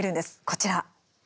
こちら。